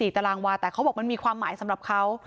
ตารางวาแต่เขาบอกมันมีความหมายสำหรับเขา